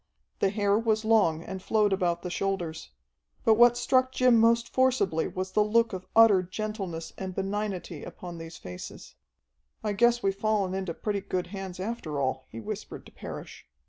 The hair was long and flowed about the shoulders. But what struck Jim most forcibly was the look of utter gentleness and benignity upon these faces. "I guess we've fallen into pretty good hands after all," he whispered to Parrish.